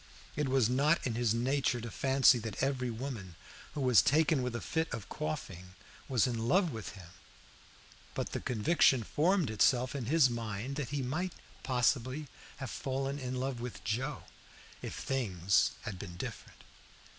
It was not in his nature to fancy that every woman who was taken with a fit of coughing was in love with him, but the conviction formed itself in his mind that he might possibly have fallen in love with Joe if things had been different.